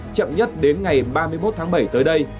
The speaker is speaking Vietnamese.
chậm nhất đến ngày ba mươi một tháng bảy tới đây